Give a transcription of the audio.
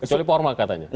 kecuali paul marr katanya